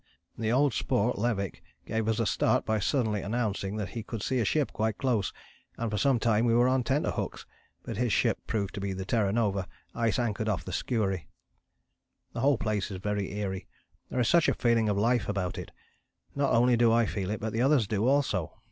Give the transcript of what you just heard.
"The Old Sport [Levick] gave us a start by suddenly announcing that he could see a ship quite close, and for some time we were on tenterhooks, but his ship proved to be the Terra Nova ice anchored off the Skuary. "The whole place is very eerie, there is such a feeling of life about it. Not only do I feel it but the others do also.